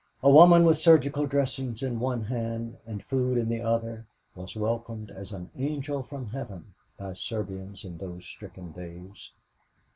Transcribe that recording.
A woman with surgical dressings in one hand and food in the other was welcomed as an angel from heaven by Serbians in those stricken days.